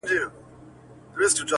بد مه راسره کوه، ښه دي نه غواړم.